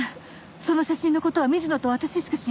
その写真の事は水野と私しか知りません。